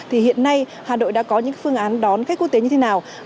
thì hiện nay hà nội đã có những phương án đón khách quốc tế như thế nào